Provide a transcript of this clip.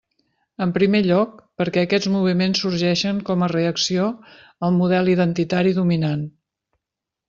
En primer lloc, perquè aquests moviments sorgeixen com a reacció al model identitari dominant.